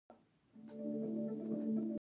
په دې کلي کې د اوبو د رارسولو نوی سیستم نصب شوی